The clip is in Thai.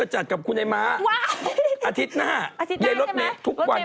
โอ้โหจริงพี่ม๋ากินเจรึเปล่าคะ